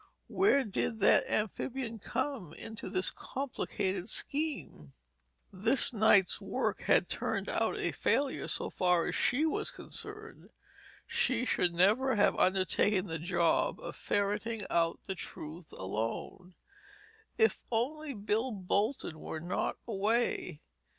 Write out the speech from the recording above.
Where did that amphibian come into this complicated scheme? This night's work had turned out a failure so far as she was concerned: she should never have undertaken the job of ferreting out the truth alone. If only Bill Bolton were not away.